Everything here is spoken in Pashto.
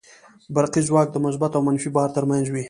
برقي ځواک د مثبت او منفي بار تر منځ وي.